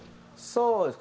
そうですね。